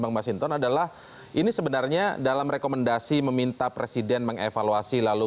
bang mas hinton adalah ini sebenarnya dalam rekomendasi meminta presiden mengevaluasi lalu